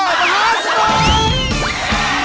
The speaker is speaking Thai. รอบต่อรอบต่อ